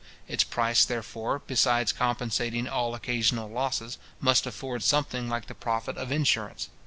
Its price, therefore, besides compensating all occasional losses, must afford something like the profit of insurance.